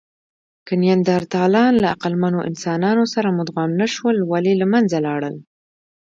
که نیاندرتالان له عقلمنو انسانانو سره مدغم نهشول، ولې له منځه لاړل؟